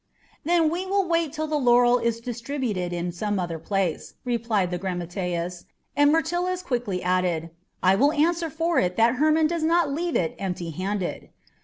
"Then we will wait till the laurel is distributed in some other place," replied the grammateus; and Myrtilus quickly added, "I will answer for it that Hermon does not leave it empty handed."